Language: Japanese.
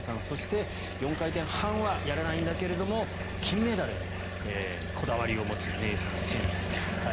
そして４回転半はやらないんだけども金メダルへのこだわりを持つネイサン・チェン選手。